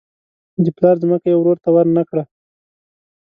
د پلار ځمکه یې ورور ته ورنه کړه.